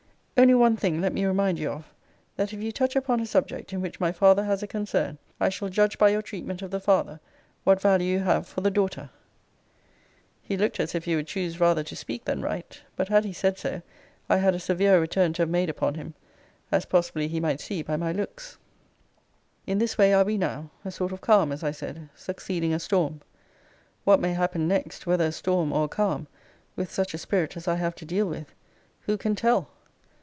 Only one thing let me remind you of, that if you touch upon a subject, in which my father has a concern, I shall judge by your treatment of the father what value you have for the daughter. He looked as if he would choose rather to speak than write: but had he said so, I had a severe return to have made upon him; as possibly he might see by my looks. In this way are we now: a sort of calm, as I said, succeeding a storm. What may happen next, whether a storm or a calm, with such a spirit as I have to deal with, who can tell?